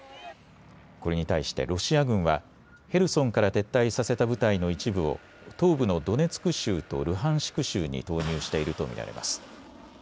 これに対してロシア軍はヘルソンから撤退させた部隊の一部を東部のドネツク州とルハンシク州に投入していると見られます。